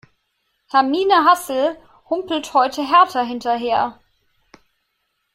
Hermine Hassel humpelt heute Hertha hinterher.